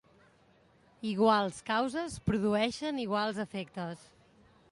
Iguals causes produeixen iguals efectes.